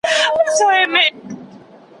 بِمَا أَوْحَيْنَا إِلَيْكَ هَذَا الْقُرْآنَ.